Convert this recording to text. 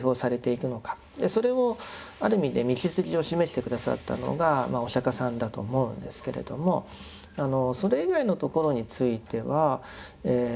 それをある意味で道筋を示して下さったのがお釈迦さんだと思うんですけれどもそれ以外の所についてはさまざまなものをですね